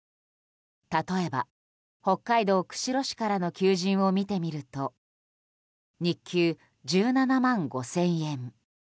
例えば、北海道釧路市からの求人を見てみると日給１７万５０００円。